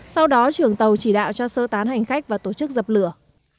sau đó trưởng tàu chỉ đạo cho sơ tán hành khách và tổ chức dập lửa